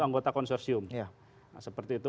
anggota konsorsium seperti itu